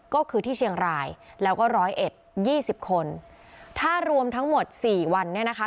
ก็คือที่เชียงรายแล้วก็ร้อยเอ็ดยี่สิบคนถ้ารวมทั้งหมดสี่วันเนี่ยนะคะ